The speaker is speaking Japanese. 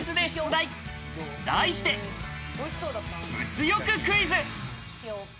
題して、物欲クイズ！